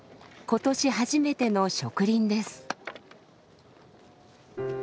今年初めての植林です。